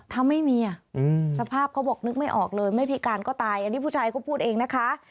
ถ้าไม่มีอ่ะสภาพเขาบอกนึกไม่ออกเลยไม่พิการก็ตายอันนี้ผู้ชายเขาพูดเองนะคะ